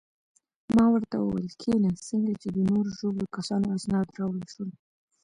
ما ورته وویل: کښېنه، څنګه چې د نورو ژوبلو کسانو اسناد راوړل شول.